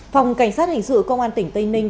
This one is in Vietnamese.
phòng cảnh sát hình sự công an tỉnh tây ninh